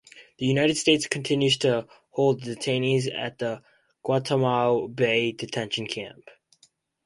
The United States continues to hold detainees at the Guantanamo Bay detention camp.